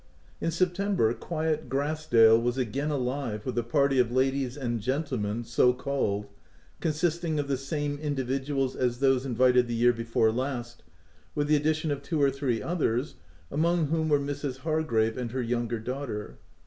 In September, quiet Grass dale was again alive with a party of ladies and gentlemen (so called) consisting of the same individuals as those invited the year before last, with the ad dition of two or three others, among whom were Mrs. Hargrave and her younger daughter.